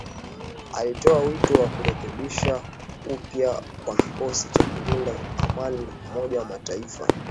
alitoa wito wa kurekebishwa upya kwa kikosi cha kulinda amani cha Umoja wa Mataifa